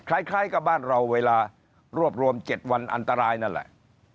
คล้ายกับบ้านเราเวลารวบรวม๗วันอันตรายนั่นแหละ